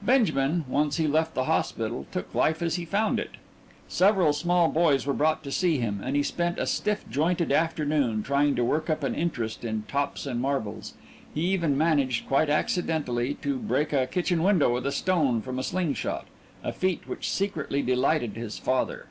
Benjamin, once he left the hospital, took life as he found it. Several small boys were brought to see him, and he spent a stiff jointed afternoon trying to work up an interest in tops and marbles he even managed, quite accidentally, to break a kitchen window with a stone from a sling shot, a feat which secretly delighted his father.